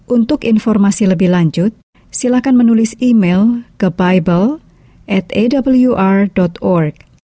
untuk informasi lebih lanjut silahkan menulis email ke bible atawr org